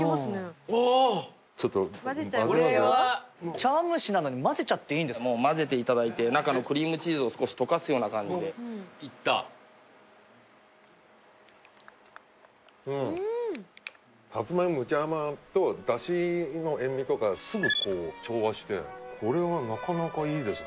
茶碗蒸しなのに混ぜちゃっていいんですか混ぜていただいて中のクリームチーズを少し溶かすような感じでいったうんさつまいもむちゃ甘とダシの塩みとかすぐこう調和してこれはなかなかいいですね